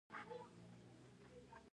هغوی ویل ملتونو وېشل مصنوعي دي.